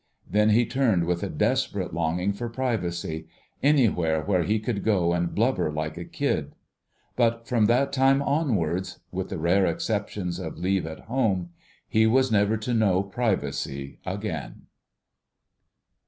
Then he turned with a desperate longing for privacy—anywhere where he could go and blubber like a kid. But from that time onwards (with the rare exceptions of leave at home) he was never to know privacy again.